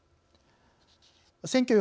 選挙